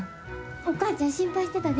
お母ちゃん、心配してたで。